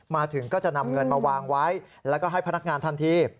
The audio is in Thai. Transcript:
มาถึงก็จะนำเงินมาวางไว้แล้วก็ให้พนักงานทันที